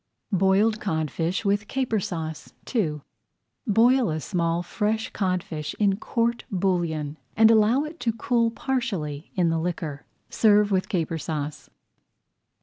BOILED CODFISH WITH CAPER SAUCE II Boil a small fresh codfish in court bouillon, and allow it to cool partially in the liquor. Serve with Caper Sauce.